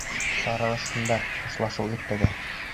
Таралһындар, хушлашыу иртәгә.